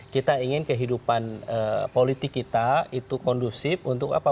kita ingin kehidupan politik kita itu kondusif untuk apa